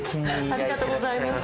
ありがとうございます。